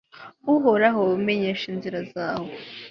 uhoraho, menyesha inzira zawe